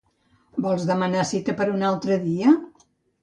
Vols demanar cita per a un altre dia?